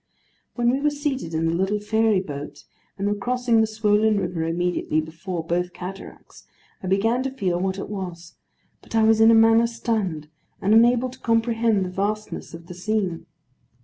When we were seated in the little ferry boat, and were crossing the swollen river immediately before both cataracts, I began to feel what it was: but I was in a manner stunned, and unable to comprehend the vastness of the scene.